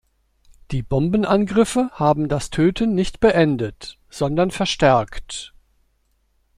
Die Bombenangriffe haben das Töten nicht beendet, sondern verstärkt.